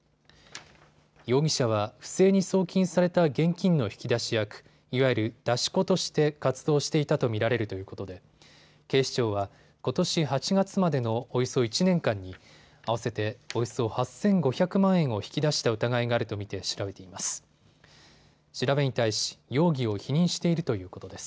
容疑者は不正に送金された現金の引き出し役、いわゆる出し子として活動していたと見られるということで警視庁はことし８月までのおよそ１年間に合わせておよそ８５００万円を引き出した疑いがあると見て調べています。